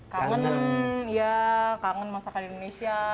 kangen ya kangen masakan indonesia